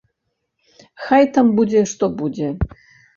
Хай там будзе што будзе!